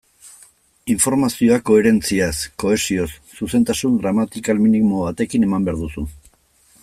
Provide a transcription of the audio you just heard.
Informazioa koherentziaz, kohesioz, zuzentasun gramatikal minimo batekin eman behar duzu.